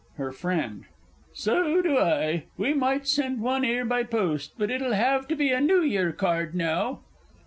HER FRIEND. So do I. We might send one 'ere by post but it'll have to be a New Year Card now!